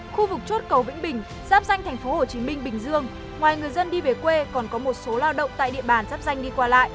khu vực chốt cầu vĩnh bình giáp danh tp hcm bình dương ngoài người dân đi về quê còn có một số lao động tại địa bàn giáp danh đi qua lại